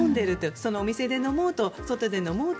そのお店で飲もうと外で飲もうと。